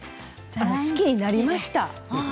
好きになりました。